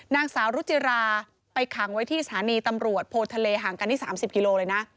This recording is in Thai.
นางสาวรุจิราไปขังไว้ที่สถานีตำรวจโพทะเลห่างกันนี่๓๐กิโลเลยนะ